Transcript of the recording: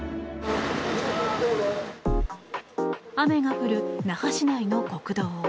雨が降る那覇市内の国道。